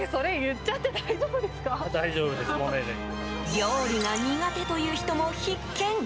料理が苦手という人も必見！